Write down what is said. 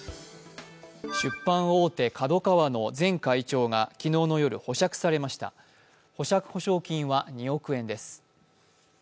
出版大手ＫＡＤＯＫＡＷＡの前会長が昨日の夜、保釈されました保釈保証金は２億円です。